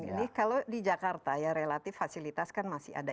ini kalau di jakarta ya relatif fasilitas kan masih ada